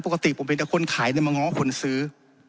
ปกติผมเป็นคนขายไม่มาง้อคนซื้อ